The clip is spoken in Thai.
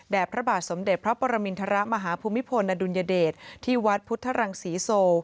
พระบาทสมเด็จพระปรมินทรมาฮภูมิพลอดุลยเดชที่วัดพุทธรังศรีโซ